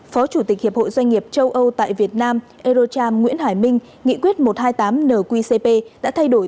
phó chủ tịch hiệp hội doanh nghiệp châu âu tại việt nam eurocharm nguyễn hải minh nghị quyết một trăm hai mươi tám nqcp đã thay đổi